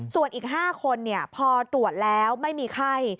ส่วนอีก๕คนพอตรวจแล้วไม่มีไข้